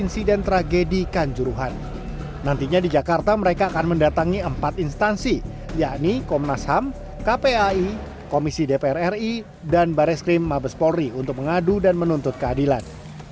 kita akan mencari keadilan bersama sama karena sampai detik ini kita belum sama sekali menerima keadilan